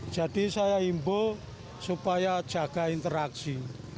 jadi saya imbu supaya jaga interaksi